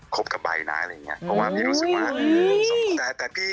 คบกับใบนายอะไรอย่างนี้